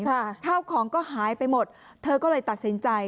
ข้าวของก็หายไปหมดเธอก็เลยตัดสินใจ